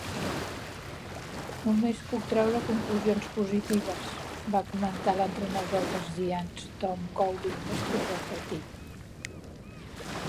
"Només puc treure conclusions positives", va comentar l'entrenador dels Giants Tom Coughlin després del partit.